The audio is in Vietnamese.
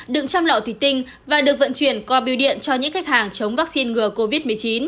đựng chăm lọ thủy tinh và được vận chuyển qua biêu điện cho những khách hàng chống vaccine ngừa covid một mươi chín